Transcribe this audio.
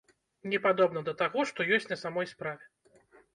Не падобна да таго, што ёсць на самой справе!